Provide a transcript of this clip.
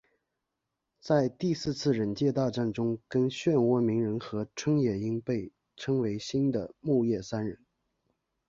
在第四次忍界大战中跟漩涡鸣人和春野樱被称为新的木叶三忍。